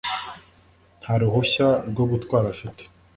Nta ruhushya rwo gutwara afite